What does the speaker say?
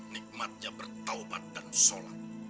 nikmatnya bertaubat dan sholat